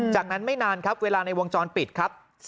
จากนั้นไม่นานครับเวลาในวงจรปิดครับ